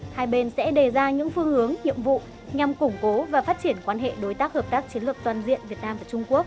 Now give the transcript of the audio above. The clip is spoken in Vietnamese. hai bên sẽ đề ra những phương hướng nhiệm vụ nhằm củng cố và phát triển quan hệ đối tác hợp tác chiến lược toàn diện việt nam và trung quốc